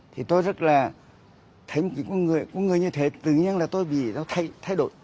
thì tôi rất là thấy một cái con người con người như thế tự nhiên là tôi bị thay đổi